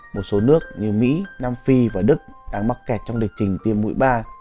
một số nước như mỹ nam phi và đức đang mắc kẹt trong lịch trình tiêm mũi ba